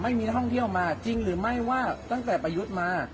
ไม่มีนักท่องเที่ยวมาจริงหรือไม่ว่าตั้งแต่ประยุทธ์มา